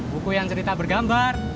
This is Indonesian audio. buku yang cerita bergambar